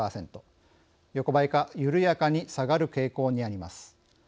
横ばいか緩やかに下がる傾向にあります。